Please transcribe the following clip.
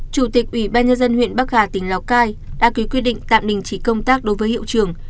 chủ tịch ủy ban nhân dân huyện bắc hà tỉnh lào cai đã ký quyết định tạm đình chỉ công tác đối với hiệu trường